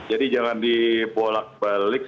jadi jangan dibolak balik